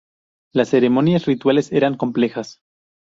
Las ceremonias rituales eran complejas.